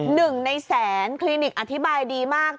หนึ่งในแสนคลินิกอธิบายดีมาก